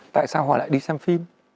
tại sao họ lại đi xem phim